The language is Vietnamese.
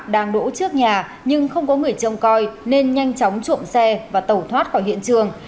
đang đổ trước nhà nhưng không có người trông coi nên nhanh chóng trộm xe và tẩu thoát khỏi hiện trường